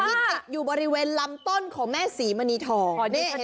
ที่ติดอยู่บริเวณลำต้นของแม่ศรีมณีทอง